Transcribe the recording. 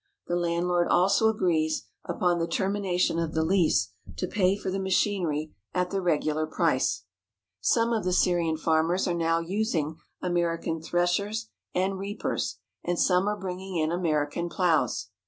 The landlord also agrees, upon the ter mination of the lease, to pay for the machinery at the regular price. 267 THE HOLY LAND AND SYRIA Some of the Syrian farmers are now using American threshers and reapers, and some are bringing in American ploughs.